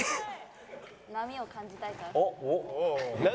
波を感じたいから。